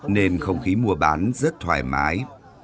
nên không khí mùa bán rất thoải mái